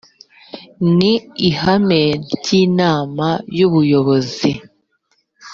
ni ihame ry’inama y’ubuyobozi